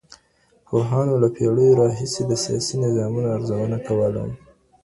پوهانو له پېړيو راهيسي د سياسي نظامونو ارزونه کوله.